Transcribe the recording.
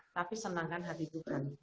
tapi senangkan hati kita